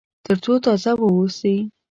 تر څو تازه واوسي.